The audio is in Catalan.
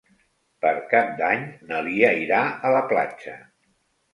Per Cap d'Any na Lia irà a la platja.